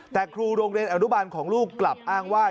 แต่ครูโรงเรียนอนุบาลของลูกกลับอ้างว่า